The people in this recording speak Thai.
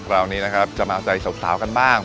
คราวนี้นะครับจะมาเอาใจสาวกันบ้าง